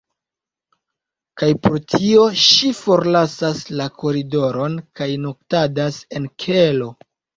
Kaj pro tio ŝi forlasas la koridoron kaj noktadas en kelo.